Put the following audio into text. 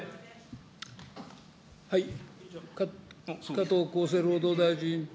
加藤厚生労働大臣。